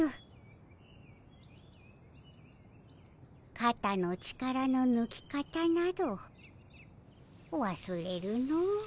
かたの力のぬき方などわすれるの。